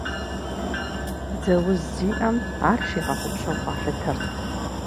Дзэ уз зиӏэм ар щигъэгъупщэу къалъытэрт.